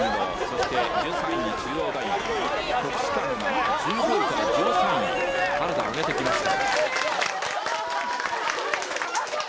そして１３位に中央大学、国士舘が１５位から１３位に、原田、上げてきました。